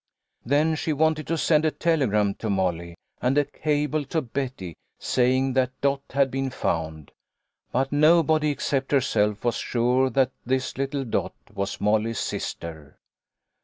Then she wanted to send a telegram to Molly and a cable to Betty saying that Dot had been found, but nobody except herself was sure that this little Dot was Molly's sister.